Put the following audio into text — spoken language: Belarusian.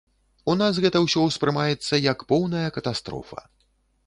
У нас гэта ўсё ўспрымаецца як поўная катастрофа.